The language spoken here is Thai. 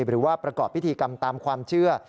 หรือว่าประกอบพิธีกรรมตามความเชื่อ